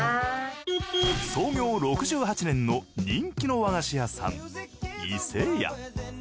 創業６８年の人気の和菓子屋さん伊勢屋。